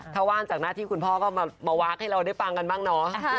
ถ้าว่างจากหน้าที่คุณพ่อก็มาวาคให้เราได้ฟังกันบ้างเนาะ